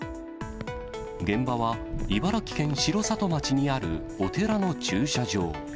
現場は茨城県城里町にあるお寺の駐車場。